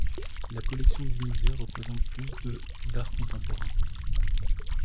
La collection du musée représente plus de d'art contemporain.